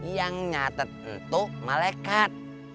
yang nyatet itu malekat